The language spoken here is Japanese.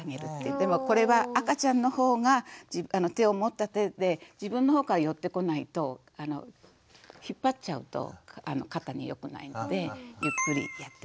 でもこれは赤ちゃんの方が手を持った手で自分の方から寄ってこないと引っ張っちゃうと肩によくないのでゆっくりやって。